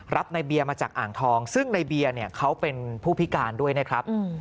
ในเบียร์มาจากอ่างทองซึ่งในเบียร์เนี่ยเขาเป็นผู้พิการด้วยนะครับ